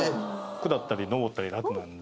下ったり上ったり楽なんで。